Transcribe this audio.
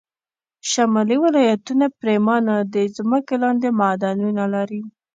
شمالي ولایتونه پرېمانه د ځمکې لاندې معدنونه لري